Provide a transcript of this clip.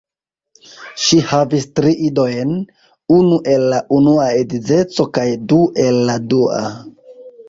Ŝi havis tri idojn: unu el la unua edzeco kaj du el la dua.